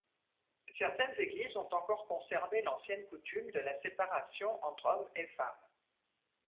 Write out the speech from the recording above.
Certaines églises ont encore conservé l'ancienne coutume de la séparation entre hommes et femmes.